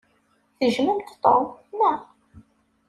Tejjmemt Tom, naɣ?